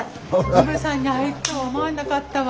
鶴瓶さんに会えるとは思わなかったわ。